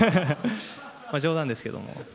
冗談ですけど。